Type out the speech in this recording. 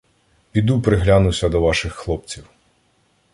Піду приглянуся до ваших хлопців.